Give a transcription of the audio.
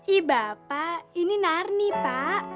ih bapak ini narni pak